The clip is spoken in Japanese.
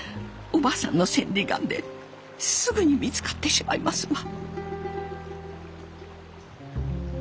お婆さんの千里眼ですぐに見つかってしまいますわ。